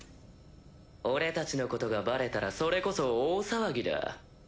俺たちのことがバレたらそれこそ大騒ぎだ。